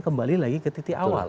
kembali lagi ke titik awal